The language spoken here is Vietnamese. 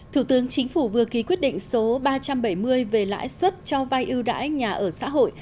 thủ tướng chính phủ vừa ký quyết định số ba trăm bảy mươi về lãi suất cho vay ưu đãi nhà ở xã hội